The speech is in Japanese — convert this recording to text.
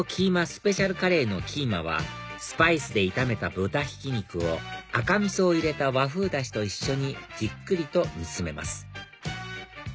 スペシャルカレーのキーマはスパイスで炒めた豚ひき肉を赤味噌を入れた和風ダシと一緒にじっくりと煮つめます